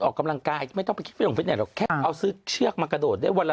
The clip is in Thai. มันออกกำลังกายไม่ต้องไปแค่เอาซื้อเชือกมากระโดดได้วันละ